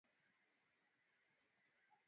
Shangazi amepata nafuu